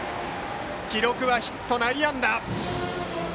記録はヒット、内野安打。